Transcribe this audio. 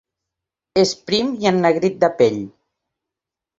És prim i ennegrit de pell.